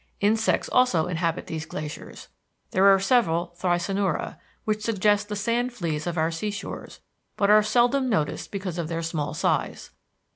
Insects also inhabit these glaciers. There are several Thysanura, which suggest the sand fleas of our seashores, but are seldom noticed because of their small size.